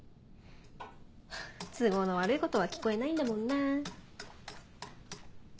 都合の悪いことは聞こえないんだもんなぁ。